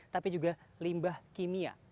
tapi juga limbah kimia